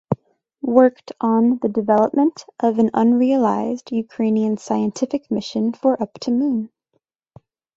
Worked on the development of an unrealized Ukrainian scientific mission for up to Moon.